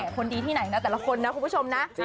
คนดีที่ไหนนะแต่ละคนนะคุณผู้ชมนะ